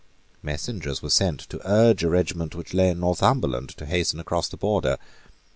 Messengers were sent to urge a regiment which lay in Northumberland to hasten across the border.